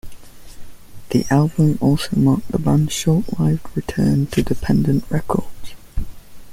The album also marked the band's short-lived return to Dependent Records.